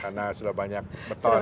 karena sudah banyak beton